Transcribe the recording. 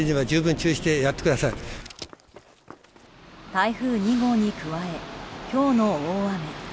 台風２号に加え今日の大雨。